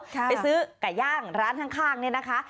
ไปซื้อไก่ย่างร้านข้างนี่นะคะ